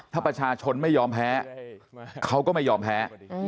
ถ้าประชาชนไม่ยอมแพ้เขาก็ไม่ยอมแพ้